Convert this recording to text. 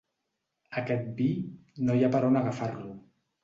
Aquest vi, no hi ha per on agafar-lo.